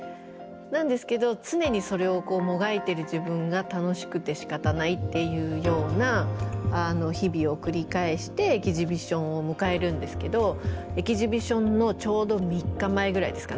なんですけど常にそれをもがいてる自分が楽しくてしかたないっていうような日々を繰り返してエキシビションを迎えるんですけどエキシビションのちょうど３日前ぐらいですかね